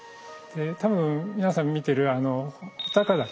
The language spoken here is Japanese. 多分皆さん見てる穂高岳。